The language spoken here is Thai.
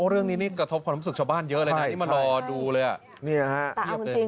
เรื่องนี้นี่กระทบความรู้สึกชาวบ้านเยอะเลยนะนี่มารอดูเลยนี่ฮะเพียบเลย